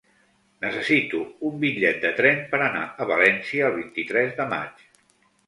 Necessito un bitllet de tren per anar a València el vint-i-tres de maig.